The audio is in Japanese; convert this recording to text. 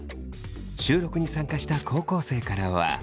収録に参加した高校生からは。